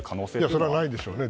それはないでしょうね。